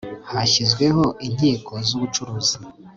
hashyizweho inkiko z'ubucuruzi